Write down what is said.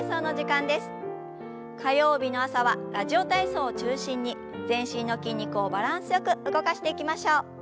火曜日の朝は「ラジオ体操」を中心に全身の筋肉をバランスよく動かしていきましょう。